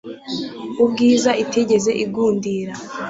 Ubwiza itigeze igundira